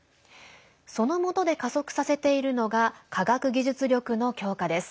そのもとで加速させているのが科学技術力の強化です。